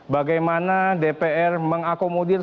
bagaimana dpr mengakomodir